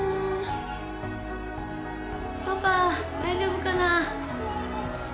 パパ、大丈夫かな？